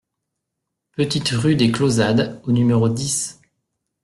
Petite Rue des Clauzades au numéro dix